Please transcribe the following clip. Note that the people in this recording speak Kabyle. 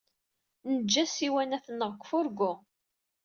Neǧǧa ssiwanat-nneɣ deg ufurgu.